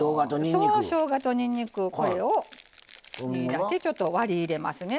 そうしょうがとにんにくこれをこうやってちょっと割り入れますね。